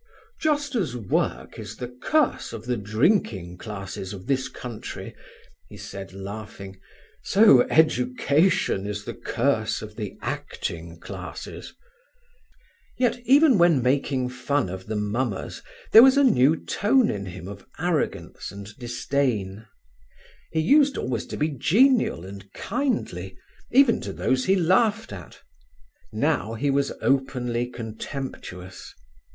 "Just as work is the curse of the drinking classes of this country," he said laughing, "so education is the curse of the acting classes." Yet even when making fun of the mummers there was a new tone in him of arrogance and disdain. He used always to be genial and kindly even to those he laughed at; now he was openly contemptuous.